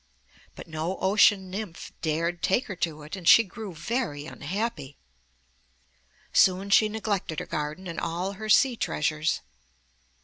But no ocean nymph dared take her to it, and she grew very unhappy. Soon she neglected her garden and all her sea treasures.